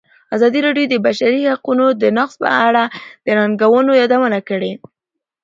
ازادي راډیو د د بشري حقونو نقض په اړه د ننګونو یادونه کړې.